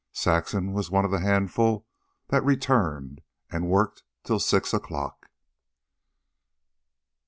Saxon was one of the handful that returned and worked till six o'clock.